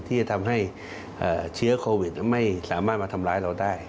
ที่จะทำให้เชื้อโควิดไม่สามารถมาทำร้ายเราได้